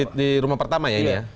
ini yang di rumah pertama ya ini ya